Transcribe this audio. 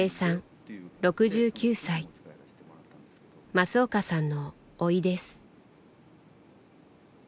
増岡さんのおいです。